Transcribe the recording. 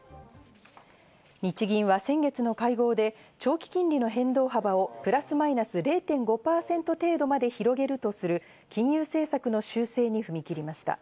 日銀は先月の会合で長期金利の変動幅をプラスマイナス０．５％程度まで広げるとする金融政策の修正に踏み切りました。